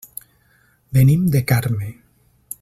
Venim de Carme.